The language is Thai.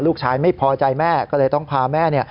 ลูกชายไม่พอใจแม่ก็เลยต้องพาแม่